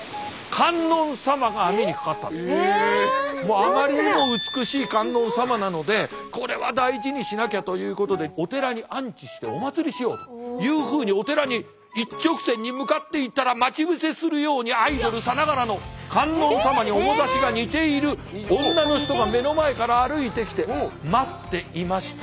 あまりにも美しい観音様なのでこれは大事にしなきゃということでお寺に安置してお祀りしようというふうにお寺に一直線に向かっていたら待ち伏せするようにアイドルさながらの観音様に面ざしが似ている女の人が目の前から歩いてきて「待っていました。